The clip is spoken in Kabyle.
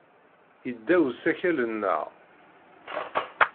Yedda usakal-nneɣ.